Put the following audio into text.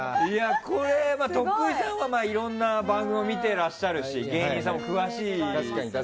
徳井さんはいろんな番組を見てらっしゃるし芸人さんにも詳しい。